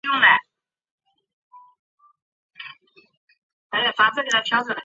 其观点受到反中共政府者的欢迎。